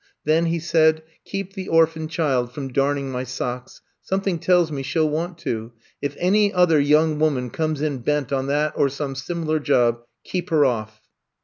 Then, '' he said, *^ keep the orphan child from darning my socks. Something tells me she '11 want to. If any other young woman comes in bent on that or some sim ilar job, keep her off."